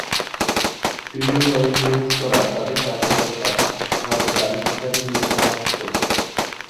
বিনিময়ে গৃহস্থরা তাদের টাকা-পয়সা, ধান-চাল ইত্যাদি দিয়ে সাহায্য করত।